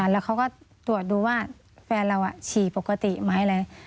แล้วเขาก็ตรวจดูว่าแฟนเราฉี่ปกติไหมอะไร